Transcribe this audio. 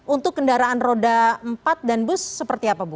untuk kendaraan roda empat dan bus seperti apa bu